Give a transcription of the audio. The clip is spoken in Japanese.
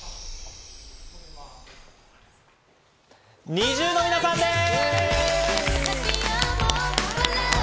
ＮｉｚｉＵの皆さんです！